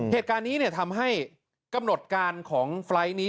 เหตุการณ์นี้ทำให้กำหนดการของไฟล์ทนี้